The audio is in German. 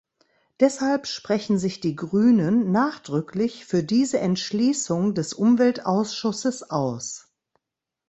Deshalb sprechen sich die Grünen nachdrücklich für diese Entschließung des Umweltausschusses aus.